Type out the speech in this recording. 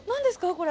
これ。